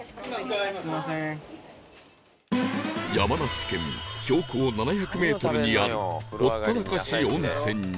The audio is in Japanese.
山梨県標高７００メートルにあるほったらかし温泉に